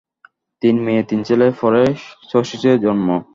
তিন মেয়ে, তিন ছেলের পরে শচীশের জন্ম।